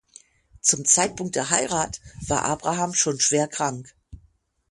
Zum Zeitpunkt der Heirat war Abraham schon schwer krank.